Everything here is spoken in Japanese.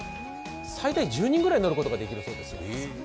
最大１０人ぐらい乗ることができるそうです。